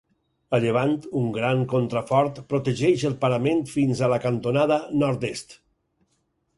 A llevant, un gran contrafort protegeix el parament fins a la cantonada nord-est.